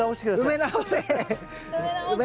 埋め直せ！